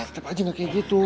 tetep aja gak kayak gitu